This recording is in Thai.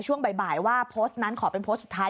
ช่วงบ่ายว่าโพสต์นั้นขอเป็นโพสต์สุดท้าย